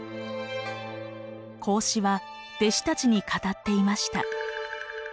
孔子は弟子たちに語っていました。